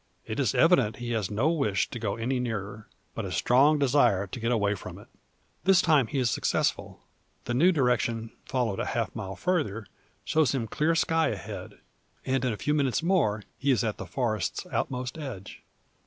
It is evident he has no wish to go any nearer; but a strong desire to get away from it. This time he is successful. The new direction followed a half mile further shows him clear sky ahead, and in a few minutes more he is at the forest's outmost edge.